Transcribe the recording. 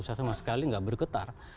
saya sama sekali nggak bergetar